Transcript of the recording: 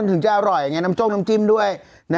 ถึงจะอร่อยน้ำจ้งน้ำจิ้มด้วย